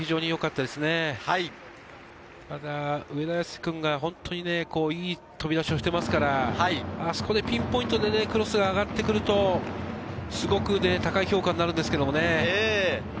ただ上田綺世君が本当にいい飛び出しをしていますから、あそこでピンポイントでクロスが上がってくると、すごく高い評価になるんですけどね。